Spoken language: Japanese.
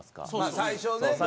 最初ね。